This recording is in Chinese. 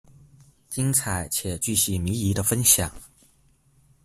精彩且钜细靡遗的分享